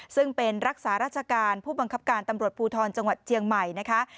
ซึ่งเป็นรักษาราชการผู้บังคับการตำรวจภูทรจังหวัดเจียงใหม่นะคะ